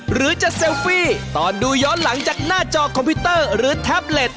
หรือจะเซลฟี่ตอนดูย้อนหลังจากหน้าจอคอมพิวเตอร์หรือแท็บเล็ต